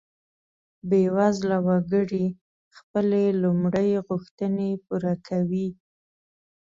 بیوزله وګړي خپلې لومړۍ غوښتنې پوره کوي.